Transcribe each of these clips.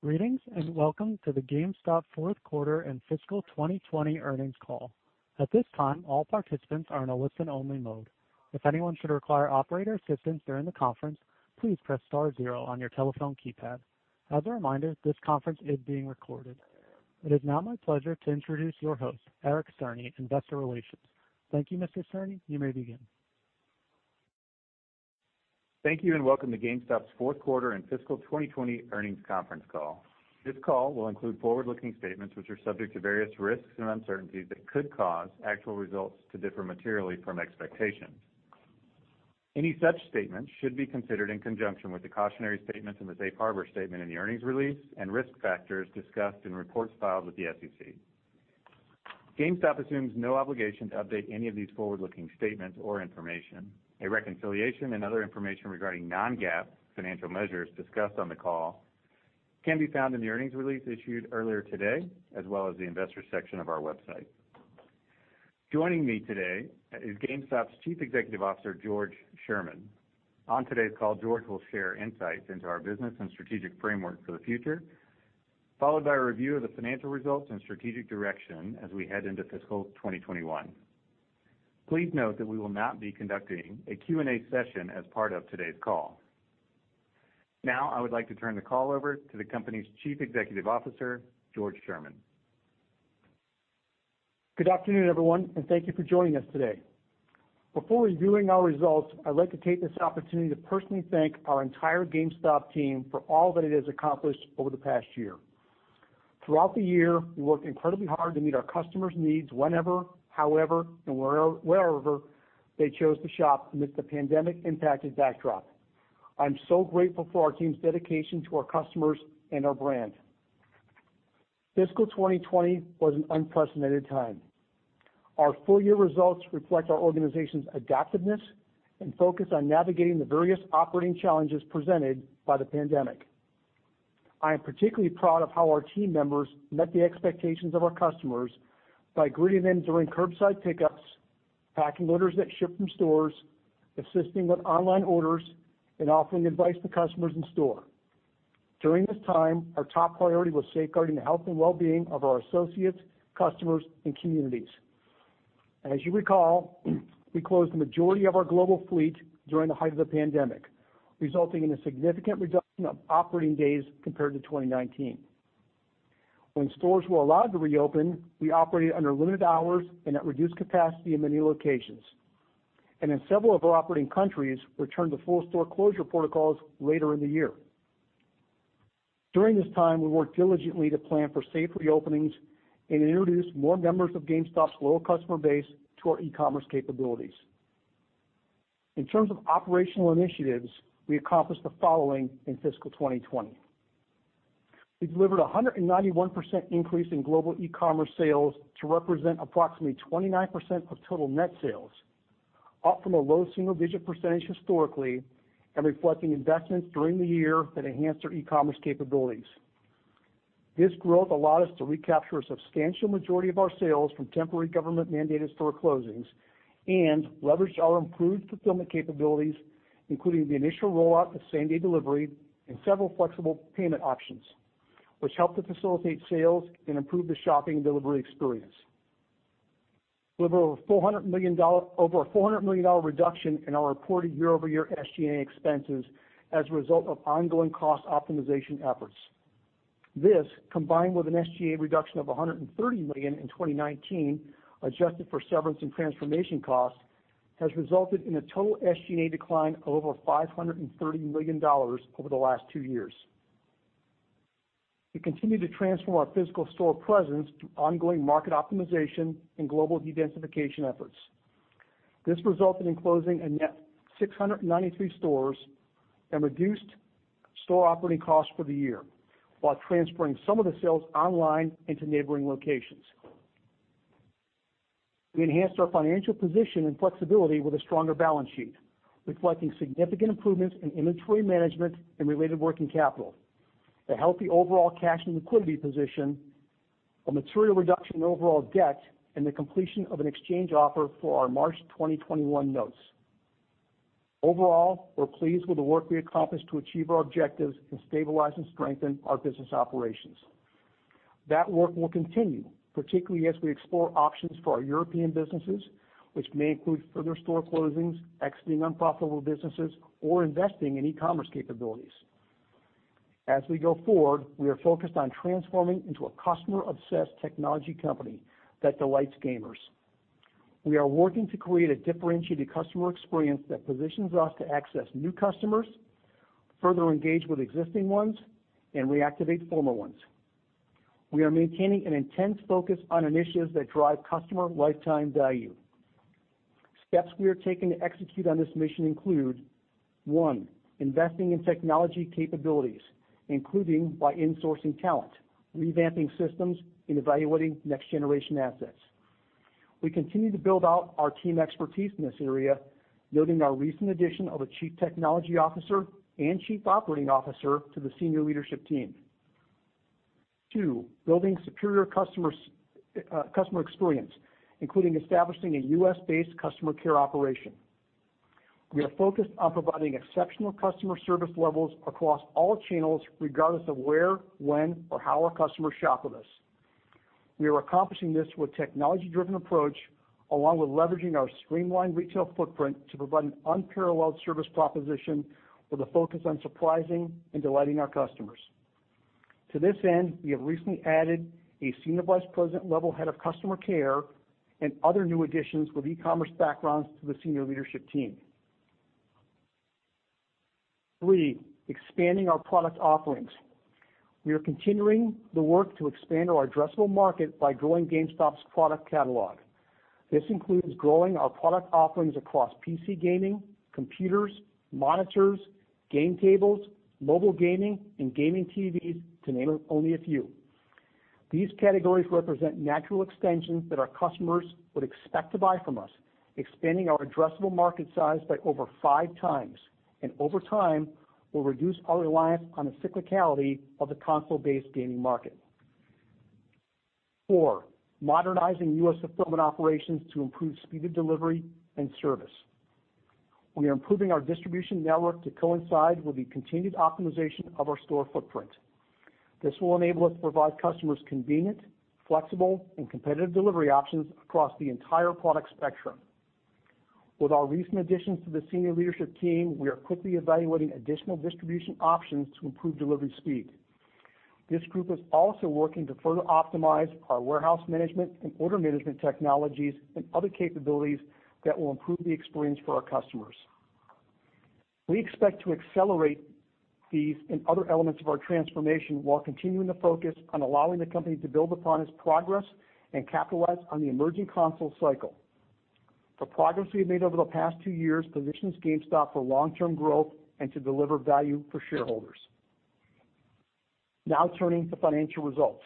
Greetings, and welcome to the GameStop fourth quarter and fiscal 2020 earnings call. At this time, all participants are in a listen-only mode. If anyone should require operator assistance during the conference, please press star zero on your telephone keypad. As a reminder, this conference is being recorded. It is now my pleasure to introduce your host, Eric Cerny, Investor Relations. Thank you, Mr. Cerny. You may begin. Thank you, and welcome to GameStop's fourth quarter and fiscal 2020 earnings conference call. This call will include forward-looking statements, which are subject to various risks and uncertainties that could cause actual results to differ materially from expectations. Any such statements should be considered in conjunction with the cautionary statements and the safe harbor statement in the earnings release and risk factors discussed in reports filed with the SEC. GameStop assumes no obligation to update any of these forward-looking statements or information. A reconciliation and other information regarding non-GAAP financial measures discussed on the call can be found in the earnings release issued earlier today, as well as the investors section of our website. Joining me today is GameStop's Chief Executive Officer, George Sherman. On today's call, George will share insights into our business and strategic framework for the future, followed by a review of the financial results and strategic direction as we head into fiscal 2021. Please note that we will not be conducting a Q&A session as part of today's call. Now, I would like to turn the call over to the company's Chief Executive Officer, George Sherman. Good afternoon, everyone, and thank you for joining us today. Before reviewing our results, I'd like to take this opportunity to personally thank our entire GameStop team for all that it has accomplished over the past year. Throughout the year, we worked incredibly hard to meet our customers' needs whenever, however, and wherever they chose to shop amidst the pandemic-impacted backdrop. I'm so grateful for our team's dedication to our customers and our brand. Fiscal 2020 was an unprecedented time. Our full-year results reflect our organization's adaptiveness and focus on navigating the various operating challenges presented by the pandemic. I am particularly proud of how our team members met the expectations of our customers by greeting them during curbside pickups, packing orders that ship from stores, assisting with online orders, and offering advice to customers in-store. During this time, our top priority was safeguarding the health and wellbeing of our associates, customers, and communities. As you recall, we closed the majority of our global fleet during the height of the pandemic, resulting in a significant reduction of operating days compared to 2019. When stores were allowed to reopen, we operated under limited hours and at reduced capacity in many locations. In several of our operating countries, returned to full store closure protocols later in the year. During this time, we worked diligently to plan for safe reopenings and introduce more members of GameStop's loyal customer base to our e-commerce capabilities. In terms of operational initiatives, we accomplished the following in fiscal 2020. We delivered 191% increase in global e-commerce sales to represent approximately 29% of total net sales, up from a low single-digit percentage historically and reflecting investments during the year that enhanced our e-commerce capabilities. This growth allowed us to recapture a substantial majority of our sales from temporary government-mandated store closings and leveraged our improved fulfillment capabilities, including the initial rollout of same-day delivery and several flexible payment options, which helped to facilitate sales and improve the shopping and delivery experience. Delivered over a $400 million reduction in our reported year-over-year SG&A expenses as a result of ongoing cost optimization efforts. This, combined with an SG&A reduction of $130 million in 2019, adjusted for severance and transformation costs, has resulted in a total SG&A decline of over $530 million over the last two years. We continue to transform our physical store presence through ongoing market optimization and global dedensification efforts. This resulted in closing a net 693 stores and reduced store operating costs for the year while transferring some of the sales online into neighboring locations. We enhanced our financial position and flexibility with a stronger balance sheet, reflecting significant improvements in inventory management and related working capital, a healthy overall cash and liquidity position, a material reduction in overall debt, and the completion of an exchange offer for our March 2021 notes. Overall, we're pleased with the work we accomplished to achieve our objectives and stabilize and strengthen our business operations. That work will continue, particularly as we explore options for our European businesses, which may include further store closings, exiting unprofitable businesses, or investing in e-commerce capabilities. As we go forward, we are focused on transforming into a customer-obsessed technology company that delights gamers. We are working to create a differentiated customer experience that positions us to access new customers, further engage with existing ones, and reactivate former ones. We are maintaining an intense focus on initiatives that drive customer lifetime value. Steps we are taking to execute on this mission include, one, investing in technology capabilities, including by insourcing talent, revamping systems, and evaluating next-generation assets. We continue to build out our team expertise in this area, noting our recent addition of a Chief Technology Officer and Chief Operating Officer to the senior leadership team. Two, building superior customer experience, including establishing a U.S.-based customer care operation. We are focused on providing exceptional customer service levels across all channels, regardless of where, when, or how our customers shop with us. We are accomplishing this with a technology-driven approach, along with leveraging our streamlined retail footprint to provide an unparalleled service proposition with a focus on surprising and delighting our customers. To this end, we have recently added a senior vice president-level head of customer care and other new additions with e-commerce backgrounds to the senior leadership team. Three, expanding our product offerings. We are continuing the work to expand our addressable market by growing GameStop's product catalog. This includes growing our product offerings across PC gaming, computers, monitors, game tables, mobile gaming, and gaming TVs, to name only a few. These categories represent natural extensions that our customers would expect to buy from us, expanding our addressable market size by over five times, and over time, will reduce our reliance on the cyclicality of the console-based gaming market. Four, modernizing U.S. fulfillment operations to improve speed of delivery and service. We are improving our distribution network to coincide with the continued optimization of our store footprint. This will enable us to provide customers convenient, flexible, and competitive delivery options across the entire product spectrum. With our recent additions to the senior leadership team, we are quickly evaluating additional distribution options to improve delivery speed. This group is also working to further optimize our warehouse management and order management technologies and other capabilities that will improve the experience for our customers. We expect to accelerate these and other elements of our transformation while continuing to focus on allowing the company to build upon its progress and capitalize on the emerging console cycle. The progress we have made over the past two years positions GameStop for long-term growth and to deliver value for shareholders. Now turning to financial results.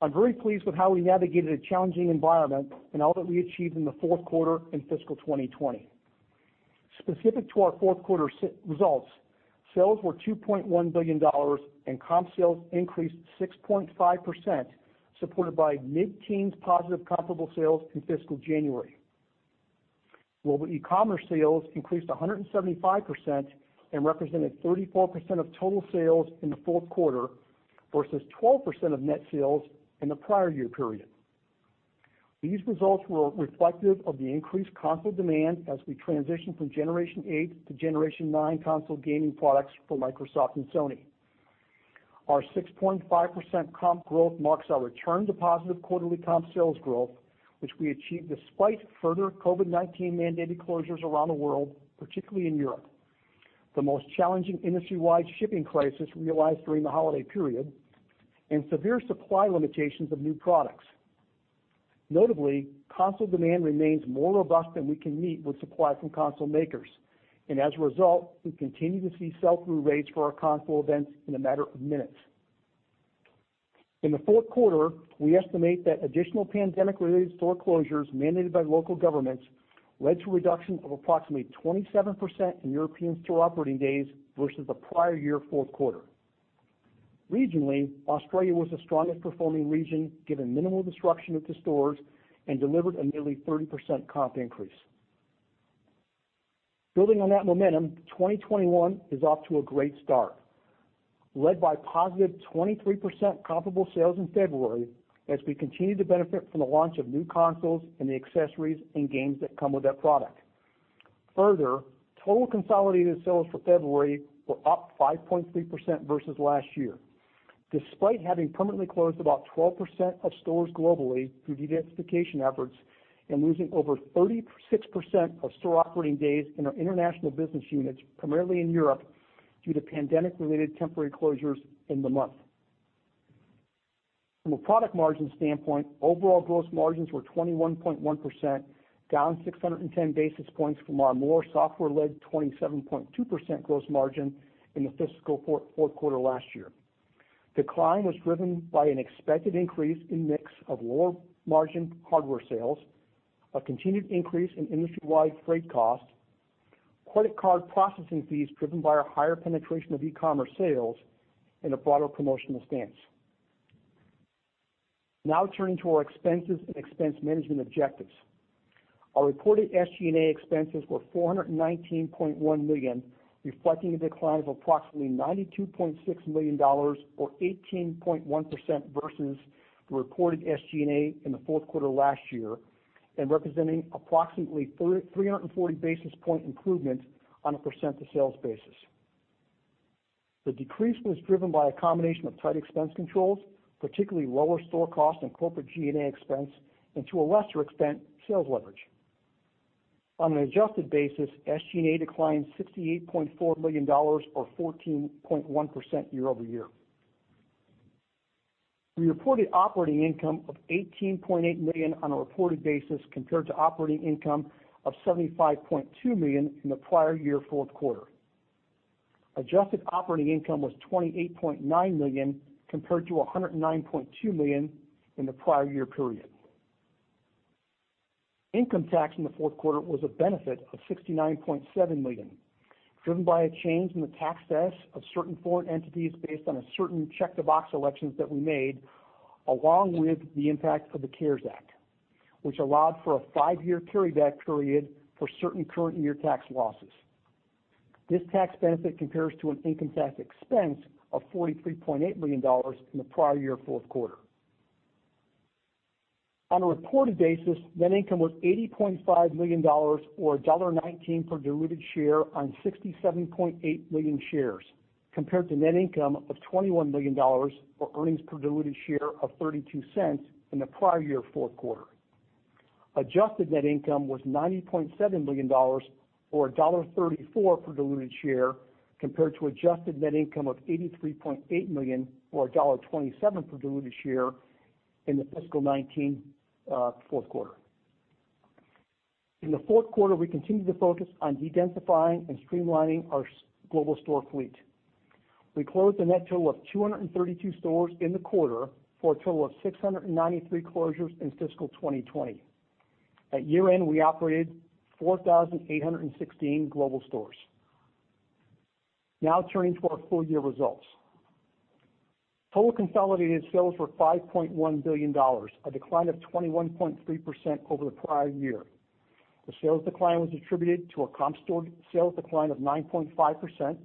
I'm very pleased with how we navigated a challenging environment and all that we achieved in the fourth quarter in fiscal 2020. Specific to our fourth quarter results, sales were $2.1 billion, and comp sales increased 6.5%, supported by mid-teens positive comparable sales in fiscal January. Global e-commerce sales increased 175% and represented 34% of total sales in the fourth quarter versus 12% of net sales in the prior year period. These results were reflective of the increased console demand as we transition from Generation 8 to Generation 9 console gaming products for Microsoft and Sony. Our 6.5% comp growth marks our return to positive quarterly comp sales growth, which we achieved despite further COVID-19 mandated closures around the world, particularly in Europe, the most challenging industry-wide shipping crisis realized during the holiday period, and severe supply limitations of new products. Notably, console demand remains more robust than we can meet with supply from console makers, and as a result, we continue to see sell-through rates for our console events in a matter of minutes. In the fourth quarter, we estimate that additional pandemic-related store closures mandated by local governments led to a reduction of approximately 27% in European store operating days versus the prior year fourth quarter. Regionally, Australia was the strongest performing region, given minimal disruption to stores and delivered a nearly 30% comp increase. Building on that momentum, 2021 is off to a great start, led by positive 23% comparable sales in February as we continue to benefit from the launch of new consoles and the accessories and games that come with that product. Further, total consolidated sales for February were up 5.3% versus last year, despite having permanently closed about 12% of stores globally through dedensification efforts and losing over 36% of store operating days in our international business units, primarily in Europe, due to pandemic-related temporary closures in the month. From a product margin standpoint, overall gross margins were 21.1%, down 610 basis points from our more software-led 27.2% gross margin in the fiscal fourth quarter last year. Decline was driven by an expected increase in mix of lower-margin hardware sales, a continued increase in industry-wide freight costs, credit card processing fees driven by our higher penetration of e-commerce sales, and a broader promotional stance. Now turning to our expenses and expense management objectives. Our reported SG&A expenses were $419.1 million, reflecting a decline of approximately $92.6 million or 18.1% versus the reported SG&A in the fourth quarter last year and representing approximately 340 basis point improvement on a percent to sales basis. The decrease was driven by a combination of tight expense controls, particularly lower store costs and corporate G&A expense, and to a lesser extent, sales leverage. On an adjusted basis, SG&A declined $68.4 million or 14.1% year-over-year. We reported operating income of $18.8 million on a reported basis compared to operating income of $75.2 million in the prior year fourth quarter. Adjusted operating income was $28.9 million compared to $109.2 million in the prior year period. Income tax in the fourth quarter was a benefit of $69.7 million. Driven by a change in the tax status of certain foreign entities based on certain check-the-box elections that we made, along with the impact of the CARES Act, which allowed for a five-year carryback period for certain current year tax losses. This tax benefit compares to an income tax expense of $43.8 million in the prior year fourth quarter. On a reported basis, net income was $80.5 million, or $1.19 per diluted share on 67.8 million shares, compared to net income of $21 million, or earnings per diluted share of $0.32 in the prior year fourth quarter. Adjusted net income was $90.7 million, or $1.34 per diluted share, compared to adjusted net income of $83.8 million or $1.27 per diluted share in the fiscal 2019 fourth quarter. In the fourth quarter, we continued to focus on de-densifying and streamlining our global store fleet. We closed a net total of 232 stores in the quarter for a total of 693 closures in fiscal 2020. At year-end, we operated 4,816 global stores. Now turning to our full-year results. Total consolidated sales were $5.1 billion, a decline of 21.3% over the prior year. The sales decline was attributed to a comp store sales decline of 9.5%,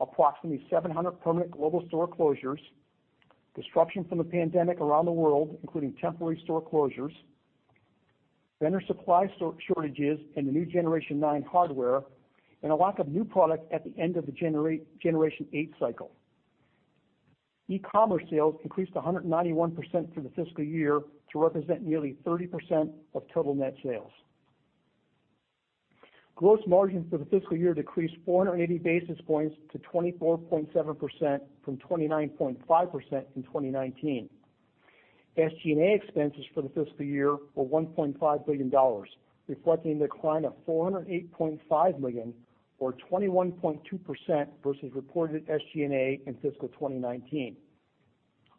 approximately 700 permanent global store closures, disruption from the pandemic around the world, including temporary store closures, vendor supply shortages in the new Generation 9 hardware, and a lack of new product at the end of the Generation 8 cycle. E-commerce sales increased 191% for the fiscal year to represent nearly 30% of total net sales. Gross margin for the fiscal year decreased 480 basis points to 24.7% from 29.5% in 2019. SG&A expenses for the fiscal year were $1.5 billion, reflecting a decline of $408.5 million or 21.2% versus reported SG&A in fiscal 2019.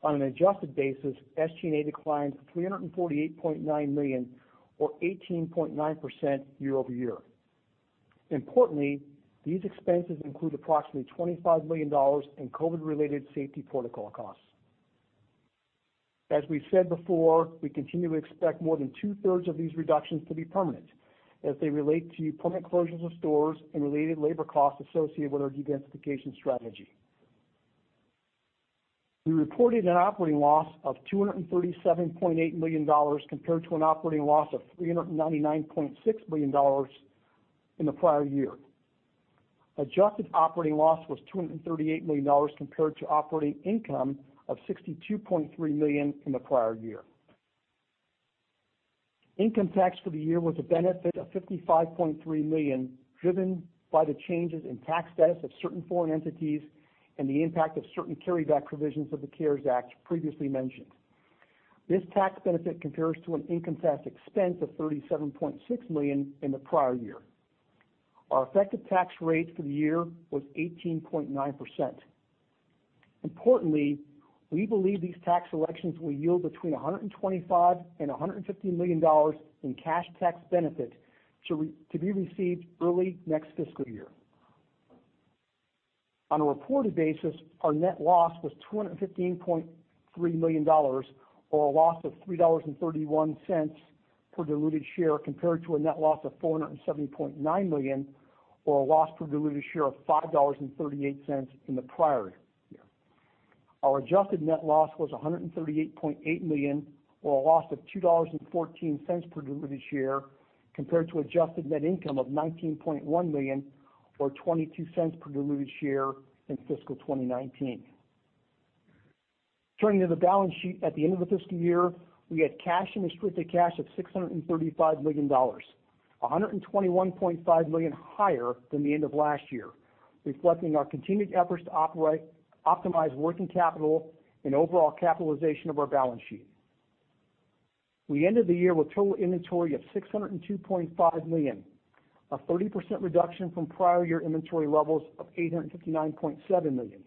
On an adjusted basis, SG&A declined $348.9 million or 18.9% year-over-year. Importantly, these expenses include approximately $25 million in COVID-related safety protocol costs. As we've said before, we continue to expect more than 2/3 of these reductions to be permanent as they relate to permanent closures of stores and related labor costs associated with our dedensification strategy. We reported a net operating loss of $237.8 million compared to an operating loss of $399.6 million in the prior year. Adjusted operating loss was $238 million compared to operating income of $62.3 million in the prior year. Income tax for the year was a benefit of $55.3 million, driven by the changes in tax status of certain foreign entities and the impact of certain carryback provisions of the CARES Act previously mentioned. This tax benefit compares to an income tax expense of $37.6 million in the prior year. Our effective tax rate for the year was 18.9%. Importantly, we believe these tax elections will yield between $125 million and $150 million in cash tax benefit to be received early next fiscal year. On a reported basis, our net loss was $215.3 million, or a loss of $3.31 per diluted share, compared to a net loss of $470.9 million, or a loss per diluted share of $5.38 in the prior year. Our adjusted net loss was $138.8 million, or a loss of $2.14 per diluted share, compared to adjusted net income of $19.1 million or $0.22 per diluted share in fiscal 2019. Turning to the balance sheet at the end of the fiscal year, we had cash and restricted cash of $635 million, $121.5 million higher than the end of last year, reflecting our continued efforts to optimize working capital and overall capitalization of our balance sheet. We ended the year with total inventory of $602.5 million, a 30% reduction from prior year inventory levels of $859.7 million.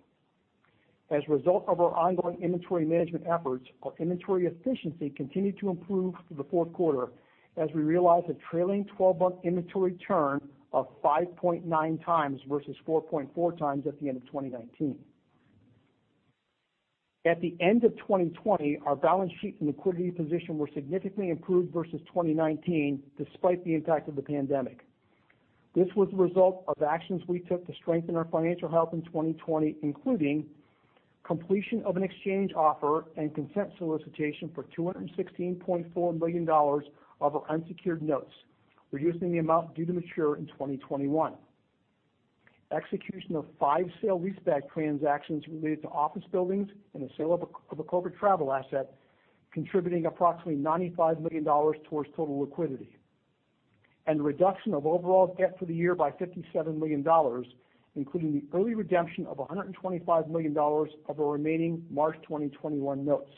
As a result of our ongoing inventory management efforts, our inventory efficiency continued to improve through the fourth quarter as we realized a trailing 12-month inventory turn of 5.9x versus 4.4x at the end of 2019. At the end of 2020, our balance sheet and liquidity position were significantly improved versus 2019, despite the impact of the pandemic. This was the result of actions we took to strengthen our financial health in 2020, including completion of an exchange offer and consent solicitation for $216.4 million of our unsecured notes, reducing the amount due to mature in 2021. Execution of five sale leaseback transactions related to office buildings and the sale of a corporate travel asset contributing approximately $95 million towards total liquidity. The reduction of overall debt for the year by $57 million, including the early redemption of $125 million of our remaining March 2021 notes.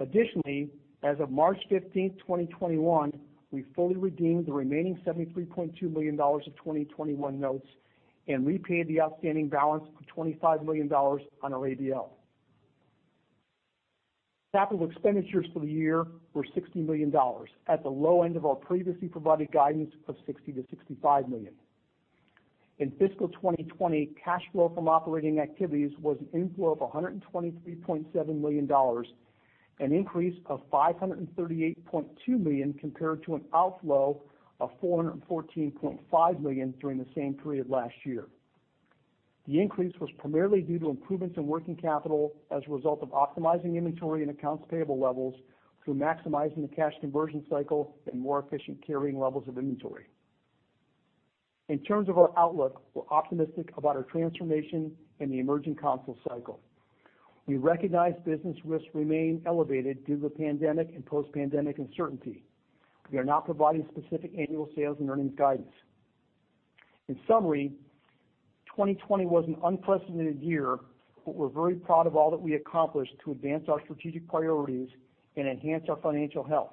Additionally, as of March 15th, 2021, we fully redeemed the remaining $73.2 million of 2021 notes and repaid the outstanding balance of $25 million on our ABL. Capital expenditures for the year were $60 million, at the low end of our previously provided guidance of $60 million-$65 million. In fiscal 2020, cash flow from operating activities was an inflow of $123.7 million, an increase of $538.2 million compared to an outflow of $414.5 million during the same period last year. The increase was primarily due to improvements in working capital as a result of optimizing inventory and accounts payable levels through maximizing the cash conversion cycle and more efficient carrying levels of inventory. In terms of our outlook, we're optimistic about our transformation in the emerging console cycle. We recognize business risks remain elevated due to the pandemic and post-pandemic uncertainty. We are not providing specific annual sales and earnings guidance. In summary, 2020 was an unprecedented year, but we're very proud of all that we accomplished to advance our strategic priorities and enhance our financial health.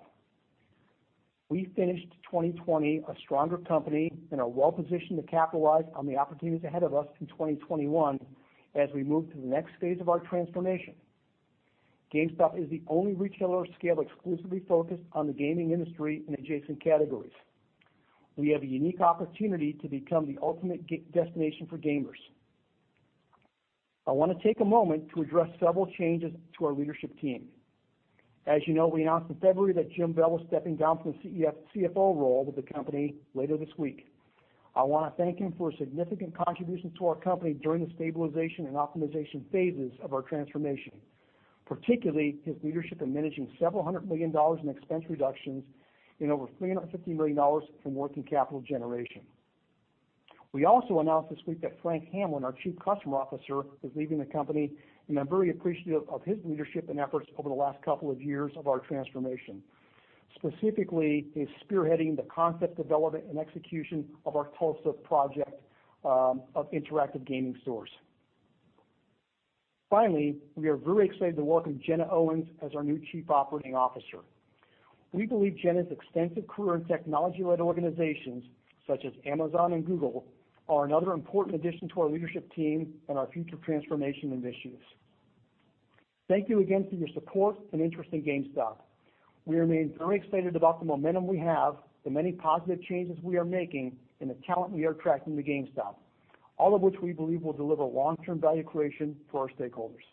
We finished 2020 a stronger company and are well-positioned to capitalize on the opportunities ahead of us in 2021 as we move to the next phase of our transformation. GameStop is the only retailer of scale exclusively focused on the gaming industry and adjacent categories. We have a unique opportunity to become the ultimate destination for gamers. I want to take a moment to address several changes to our leadership team. As you know, we announced in February that Jim Bell is stepping down from the CFO role with the company later this week. I want to thank him for his significant contributions to our company during the stabilization and optimization phases of our transformation, particularly his leadership in managing several hundred million dollars in expense reductions and over $350 million from working capital generation. We also announced this week that Frank Hamlin, our Chief Customer Officer, is leaving the company, and I'm very appreciative of his leadership and efforts over the last couple of years of our transformation, specifically his spearheading the concept development and execution of our Tulsa project of interactive gaming stores. Finally, we are very excited to welcome Jenna Owens as our new Chief Operating Officer. We believe Jenna's extensive career in technology-led organizations, such as Amazon and Google, are another important addition to our leadership team and our future transformation initiatives. Thank you again for your support and interest in GameStop. We remain very excited about the momentum we have, the many positive changes we are making, and the talent we are attracting to GameStop, all of which we believe will deliver long-term value creation for our stakeholders.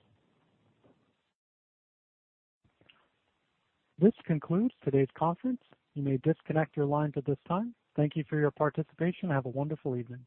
This concludes today's conference. You may disconnect your lines at this time. Thank you for your participation. Have a wonderful evening.